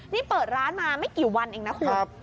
นี่เปิดร้านมาไม่กี่วันเองนะคุณ